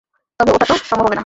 তবে, ওটাতো সম্ভব হবে না।